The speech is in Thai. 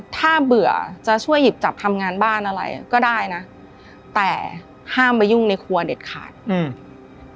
ถ้าเบื่อจะช่วยหยิบจับทำงานบ้านอะไรก็ได้นะแต่ห้ามมายุ่งในครัวเด็ดขาดอืม